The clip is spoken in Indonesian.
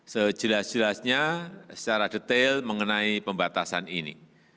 sejelas jelasnya secara detail mengenai pembatasan ini